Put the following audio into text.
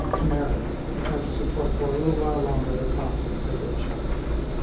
chimeras, which are to support for a little while longer the cause of privilege.